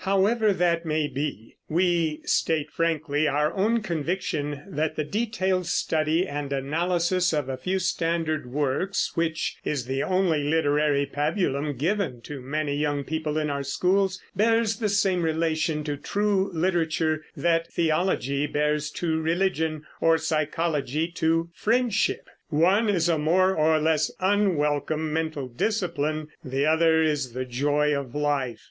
However that may be, we state frankly our own conviction that the detailed study and analysis of a few standard works which is the only literary pabulum given to many young people in our schools bears the same relation to true literature that theology bears to religion, or psychology to friendship. One is a more or less unwelcome mental discipline; the other is the joy of life.